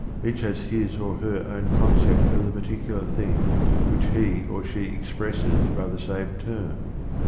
Each has his or her own concept of the particular thing which he or she expresses by the same term.